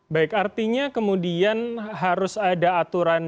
baik artinya kemudian harus ada aturan